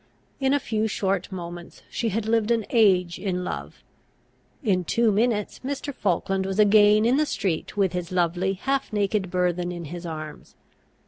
In a few short moments she had lived an age in love. In two minutes Mr. Falkland was again in the street with his lovely, half naked burthen in his arms.